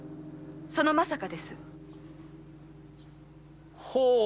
その「まさか」です。ほお！